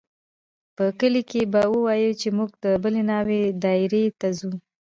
په کلي کښې به ووايو چې موږ د بلې ناوې دايرې ته ځو.